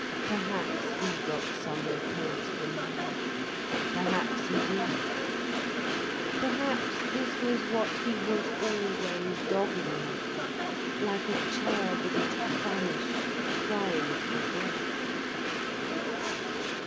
Perhaps he got some repose from her. Perhaps he did. Perhaps this was what he was always dogging her for, like a child that is famished, crying for the breast.